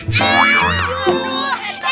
itu sih namanya cialbel